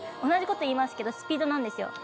同じこといいますけどスピードなんですよ。